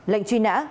lệnh truy nã